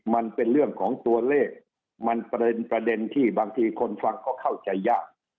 มันเป็นเรื่องของตัวเลขมันประเด็นที่บางทีคนฟังก็เข้าใจยาก